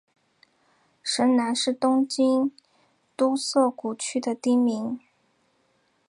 神南是东京都涩谷区的町名。